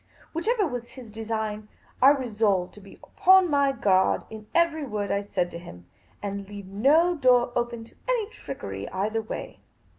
Whichever was his design, I resolved to be upon my guard in every word I said to him, and leave no door open to any trickery either way.